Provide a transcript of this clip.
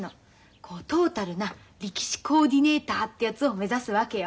こうトータルな力士コーディネーターってやつを目指すわけよ。